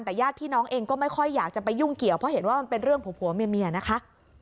แต่ญาติพี่น้องเองก็ไม่ค่อยอยากจะไปยุ่งเกี่ยวเพราะเห็นว่ามันเป็นเรื่องผัวเมียนะคะ